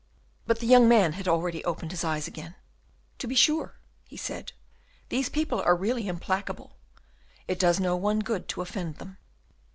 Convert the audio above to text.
But the young man had already opened his eyes again. "To be sure," he said. "These people are really implacable. It does no one good to offend them."